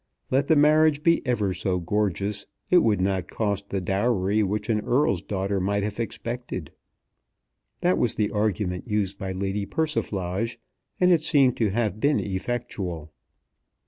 Let the marriage be ever so gorgeous, it would not cost the dowry which an Earl's daughter might have expected. That was the argument used by Lady Persiflage, and it seemed to have been effectual.